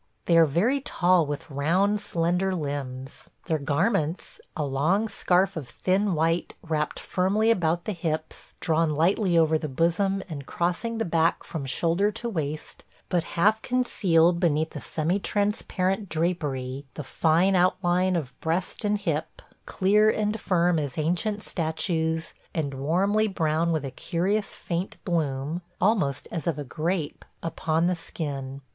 ... They are very tall, with round slender limbs. ... Their garments – a long scarf of thin white wrapped firmly about the hips, drawn lightly over the bosom and crossing the back from shoulder to waist – but half conceal beneath the semi transparent drapery the fine outline of breast and hip, clear and firm as ancient statues, and warmly brown with a curious faint bloom – almost as of a grape – upon the skin.